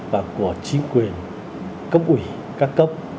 và của chính quyền cấp ủy các cấp